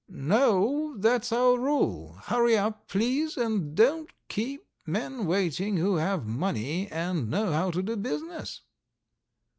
"No; that's our rule. Hurry up, please, and don't keep men waiting who have money and know how to do business."